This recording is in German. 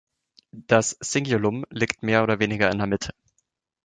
Das Cingulum liegt mehr oder weniger in der Mitte.